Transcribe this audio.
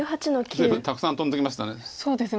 随分たくさん飛んできましたね。